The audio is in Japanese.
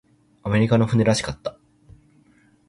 アメリカの船らしかった。